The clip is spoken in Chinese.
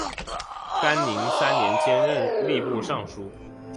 干宁三年兼任吏部尚书。